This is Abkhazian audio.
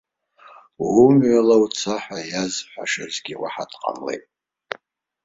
Умҩала уца ҳәа иазҳәашазгьы уаҳа дҟамлеит.